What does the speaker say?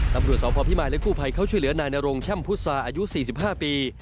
ตำรวจสพพิมายและกู้ภัยเขาช่วยเหลือนายนรงแช่มพุษาอายุ๔๕ปี